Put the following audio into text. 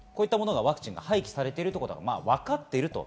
ワクチンが廃棄されているということがわかっています。